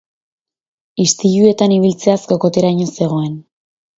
Istiluetan ibiltzeaz kokoteraino zegoen.